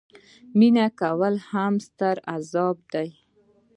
مینه کول هم ستر عذاب دي.